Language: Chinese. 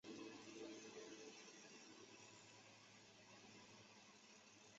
本列表所列为中国共产党中央机构的各类重要会议。